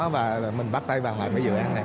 và mình bắt tay vào lại cái dự án này